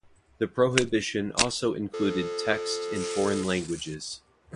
The prohibition also included text in foreign languages.